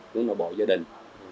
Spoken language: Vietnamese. của nội bộ gia đình